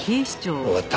わかった。